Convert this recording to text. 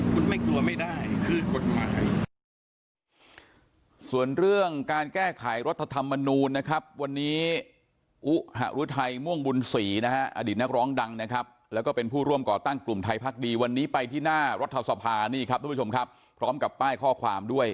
คุณไม่กลัวไม่ได้คือกฎหมาย